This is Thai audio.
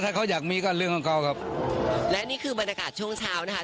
ถ้าเขาอยากมีก็เรื่องของเขาครับและนี่คือบรรยากาศช่วงเช้านะคะ